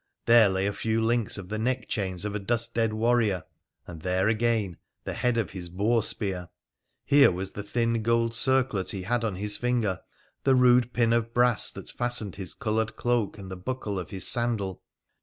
There lay a few links of the neck chains of a dust dead warrior, and there, again, the head of his boar spear. Here was the thin gold circlet he had on his finger, the rude pin of brass that fastened his coloured cloak and the buckle of his sandal.